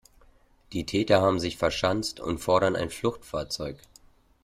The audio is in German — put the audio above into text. Die Täter haben sich verschanzt und fordern ein Fluchtfahrzeug.